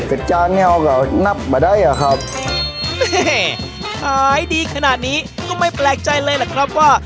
เป็นจานแอร์ก็นับมาได้อ่ะครับแม่ขายดีขนาดนี้ก็ไม่แปลกใจเลยล่ะครับว่า